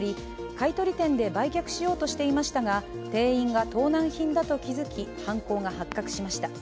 買い取り店で売却しようとしていましたが、店員が盗難品だと気づき犯行が発覚しました。